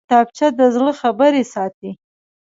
کتابچه د زړه خبرې ساتي